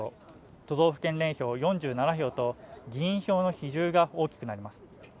都道府県連票４７票と議員票の比重が大きくなります